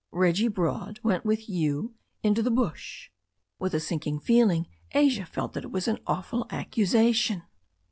"Reggie Broad went with you into the bush !" With a sinking feeling Asia felt that it was an awful accusation.